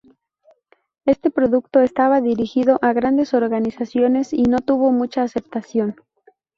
Este producto estaba dirigido a grandes organizaciones y no tuvo mucha aceptación.